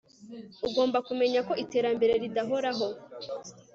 Ugomba kumenya ko iterambere ridahoraho